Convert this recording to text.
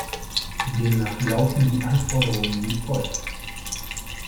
Demnach lauten die Anforderungen wie folgt.